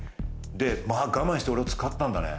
我慢して俺を使ったんだね。